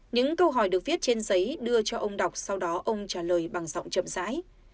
những câu hỏi được viết trên giấy đưa cho ông đọc sau đó ông trả lời bằng giọng chậm rãi